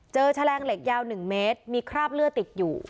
แฉลงเหล็กยาว๑เมตรมีคราบเลือดติดอยู่